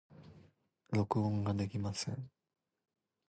録音ができません。